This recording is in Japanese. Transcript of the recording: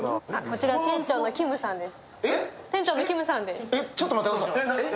こちら店長のキムさんです。